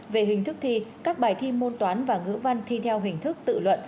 về hình thức thi các bài thi môn toán và ngữ văn thi theo hình thức tự luận